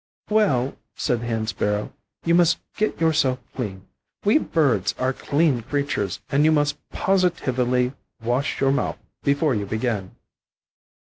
"Well," said the Hen sparrow, "you must get yourself clean. We birds are clean creatures, and you must positively wash your mouth before you begin."